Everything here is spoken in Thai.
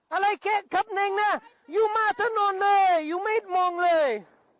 อะไรแค่ขับเน่งนะอยู่มาถนนเลยอยู่ไม่มองเลย